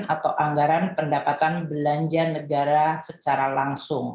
atau anggaran pendapatan belanja negara secara langsung